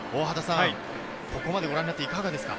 ここまでご覧になっていかがですか？